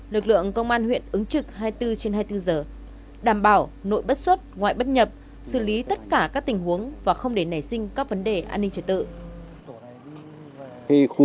lực lượng công an huyện ứng trực hai mươi bốn trên hai mươi bốn giờ đảm bảo nội bất xuất ngoại bất nhập xử lý tất cả các tình huống và không để nảy sinh các vấn đề an ninh trật tự